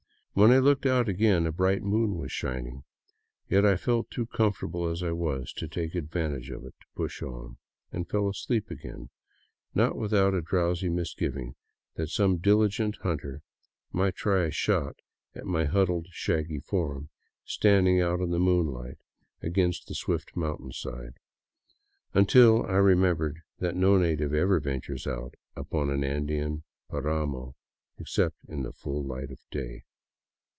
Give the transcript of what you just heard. When I looked out again a bright moon was shining, yet I felt too comfortable as I was to take advantage of it to push on, and fell asleep again, not without a drowsy misgiving that some diligent hunter might try a shot at my huddled, shaggy form standing out in the moonlight against the swift mountainside ; until I remembered that no native ever ventures out upon an Andean paramo except in the full light of day.